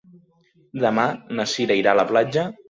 Demà na Cira irà a la platja.